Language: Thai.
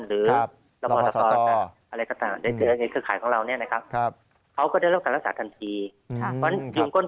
หรือสฝรรณบริการศาสตรูปิยบชน